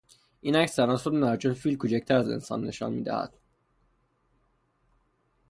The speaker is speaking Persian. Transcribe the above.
این عکس تناسب ندارد چون فیل را کوچکتر از انسان نشان میدهد.